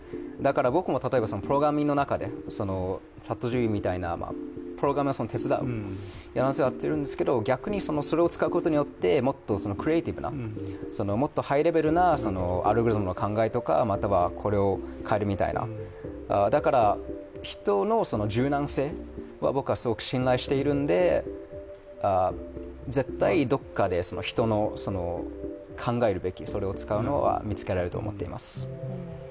僕もプログラミングの中でＣｈａｔＧＰＴの中でプログラミングを手伝うのをやってるんですけど逆にそれを使うことによってもっとクリエーティブなもっとハイレベルなアルゴリズムの考えとかこれを変えるみたいな、だから人の柔軟性を僕はすごく信頼しているので絶対どこかで人の考えるべきそれを使うのは見つけられると思っています。